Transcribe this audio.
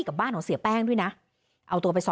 คุยกับตำรวจเนี่ยคุยกับตำรวจเนี่ย